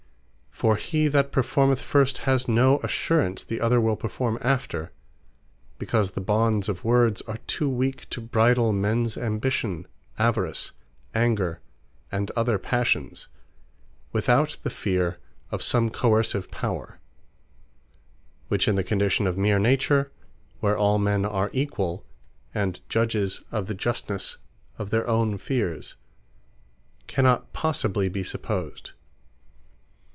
For he that performeth first, has no assurance the other will performe after; because the bonds of words are too weak to bridle mens ambition, avarice, anger, and other Passions, without the feare of some coerceive Power; which in the condition of meer Nature, where all men are equall, and judges of the justnesse of their own fears cannot possibly be supposed.